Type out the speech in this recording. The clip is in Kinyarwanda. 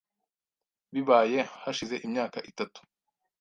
Bibaye hashize imyaka itatu .